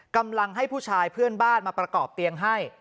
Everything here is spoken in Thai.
กำลังให้ผู้ชายเพื่อนบ้านมาประกอบเตียงให้